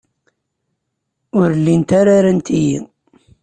Ur llint ara rant-iyi.